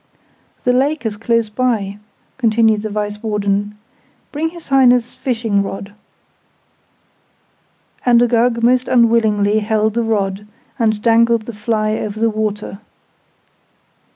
"The lake is close by," continued the Vice warden. "Bring his Highness' fishing rod!" And Uggug most unwillingly held the rod, and dangled the fly over the water.